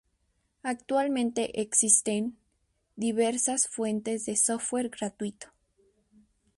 Actualmente existen, diversas fuentes de software gratuito.